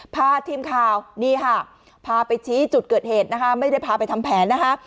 พาทีมข่าวนี่ค่ะพาไปชี้จุดเกิดเหตุนะคะไม่ได้พาไปทำแผนนะคะ